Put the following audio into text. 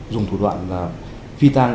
dùng thủ đoạn phi tan